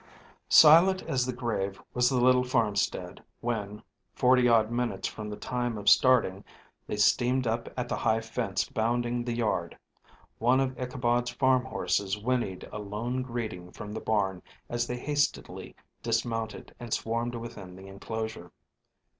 Silent as the grave was the little farmstead when, forty odd minutes from the time of starting, they steamed up at the high fence bounding the yard. One of Ichabod's farm horses whinnied a lone greeting from the barn as they hastily dismounted and swarmed within the inclosure.